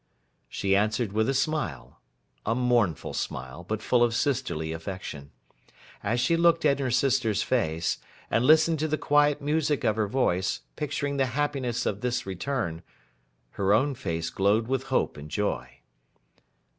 She answered with a smile; a mournful smile, but full of sisterly affection. As she looked in her sister's face, and listened to the quiet music of her voice, picturing the happiness of this return, her own face glowed with hope and joy.